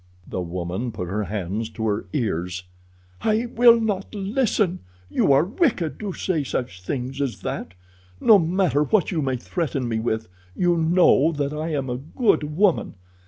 The woman put her hands to her ears. "I will not listen. You are wicked to say such things as that. No matter what you may threaten me with, you know that I am a good woman.